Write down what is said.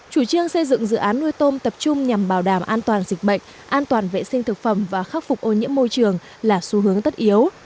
chủ trương xây dựng dự án nuôi tôm tập trung nhằm bảo đảm an toàn dịch bệnh an toàn vệ sinh thực phẩm và khắc phục ô nhiễm môi trường là xu hướng tất yếu